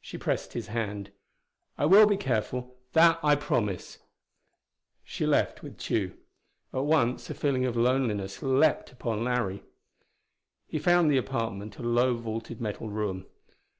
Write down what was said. She pressed his hand. "I will be careful; that I promise." She left with Tugh. At once a feeling of loneliness leaped upon Larry. He found the apartment a low vaulted metal room.